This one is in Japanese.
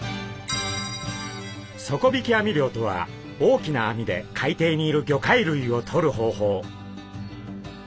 底引き網漁とは大きな網で海底にいる魚介類をとる方法。